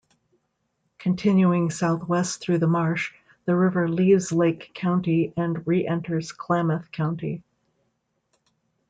Continuing southwest through the marsh, the river leaves Lake County and re-enters Klamath County.